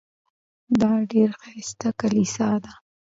دا ډېره ښایسته کلیسا ده.